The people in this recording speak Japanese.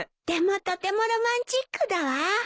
でもとてもロマンチックだわ。